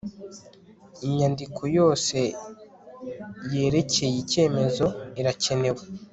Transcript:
inyandiko yose yerekeye icyemezo irakenewe